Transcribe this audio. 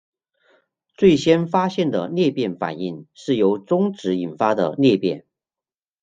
最先发现的裂变反应是由中子引发的裂变。